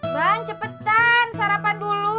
bang cepetan sarapan dulu